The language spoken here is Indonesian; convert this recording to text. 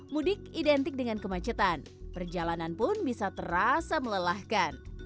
mudik identik dengan kemacetan perjalanan pun bisa terasa melelahkan